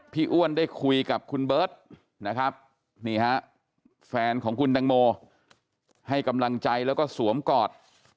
อ้วนได้คุยกับคุณเบิร์ตนะครับนี่ฮะแฟนของคุณตังโมให้กำลังใจแล้วก็สวมกอด